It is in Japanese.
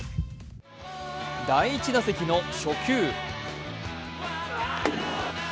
第１打席の初球。